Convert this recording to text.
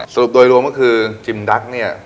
สรุปโดยรวมก็คือจิมดักเนี่ย